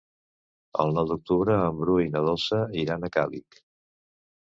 El nou d'octubre en Bru i na Dolça iran a Càlig.